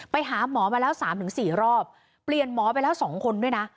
ไปหาหมอมาแล้ว๓๔รอบเปลี่ยนหมอไปแล้ว๒คนด้วยนะ